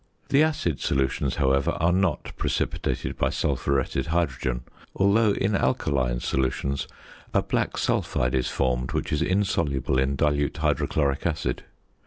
The acid solutions, however, are not precipitated by sulphuretted hydrogen, although in alkaline solutions a black sulphide is formed which is insoluble in dilute hydrochloric acid.